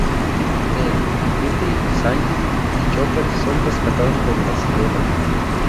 Él, Luffy, Sanji, y Chopper son rescatados por las sirenas.